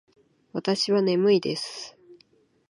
わたしはねむいです。